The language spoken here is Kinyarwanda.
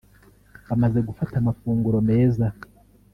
Bamaze gufata amafunguro meza